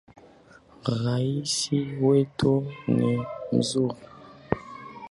Raisi wetu ni mzuri.